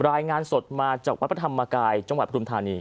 รายงานสดมาจากวัดพระธรรมกายจังหวัดปฐุมธานี